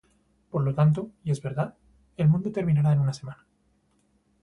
Por lo tanto, Y es verdad, y el mundo terminará en una semana.